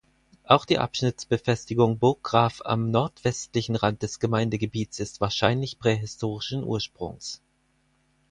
Auch die Abschnittsbefestigung Burggraf am nordwestlichen Rand des Gemeindegebiets ist wahrscheinlich prähistorischen Ursprungs.